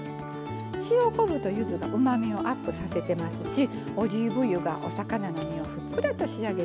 塩昆布とゆずがうまみをアップさせてますしオリーブ油がお魚の身をふっくらと仕上げてくれます。